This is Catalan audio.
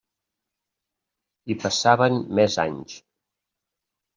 I passaven més anys.